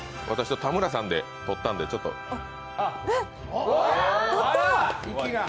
私と田村さんで取ったんで、やっぱり。